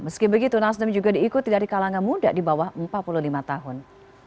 meski begitu nasdem juga diikuti dari kalangan muda di bawah empat puluh lima tahun